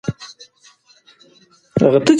که تعلیمي نصاب له معیار سره سم وي، نو بریا تضمین ده.